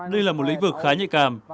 đây là một lĩnh vực khá nhạy cảm